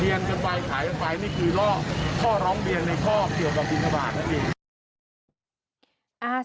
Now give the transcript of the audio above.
เลี้ยนกันไปขายออกไปโลกข้อเรา้งเลี้ยงในโลกเกี่ยวกับบินทบาท